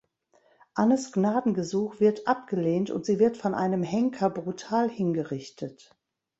Annes Gnadengesuch wird abgelehnt und sie wird von einem Henker brutal hingerichtet.